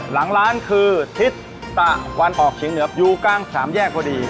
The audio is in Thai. หลังร้านคือทิศตะวันออกเฉียงเหนืออยู่กลางสามแยกพอดี